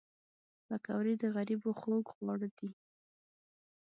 پکورې د غریبو خوږ خواړه دي